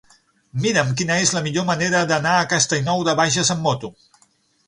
Mira'm quina és la millor manera d'anar a Castellnou de Bages amb moto.